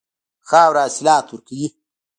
خاوره حاصلات ورکوي.